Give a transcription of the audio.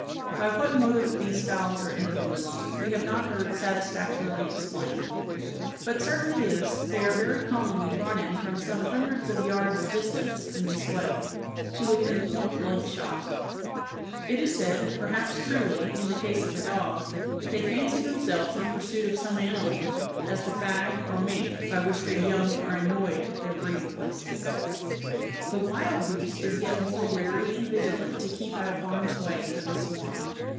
By what motive these fowls are influenced, we have not heard satisfactorily explained; but certain it is, they are very commonly brought in from some hundreds of yards' distance, in this way, to within point blank shot. It is said, and perhaps truly, in the case of the dog, that they fancy themselves in pursuit of some animal, as the fag, or mink, by which their young are annoyed at their breeding places. "The wild goose is yet more wary and vigilant to keep out of harm's way than the swan.